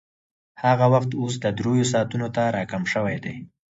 هغه وخت اوس درېیو ساعتونو ته راکم شوی دی